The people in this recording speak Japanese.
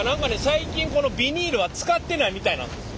最近このビニールは使ってないみたいなんですよ。